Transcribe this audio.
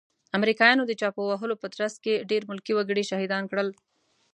امريکايانو د چاپو وهلو په ترڅ کې ډير ملکي وګړي شهيدان کړل.